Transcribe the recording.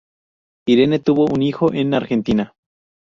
Irene tuvo un hijo en Argentina.